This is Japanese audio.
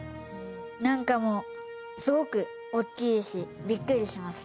何かもうすごく大きいしびっくりしました。